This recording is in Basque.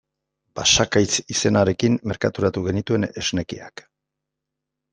Basakaitz izenarekin merkaturatu genituen esnekiak.